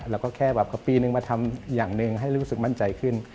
แล้วก็แค่แบบเอาปีนึงมาทำอย่างหนึ่งให้รู้สึกมั่นใจขึ้น